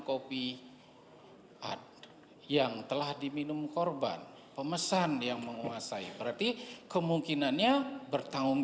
kopi ada yang telah diminum korban pemesan yang menguasai berarti kemungkinannya bertanggung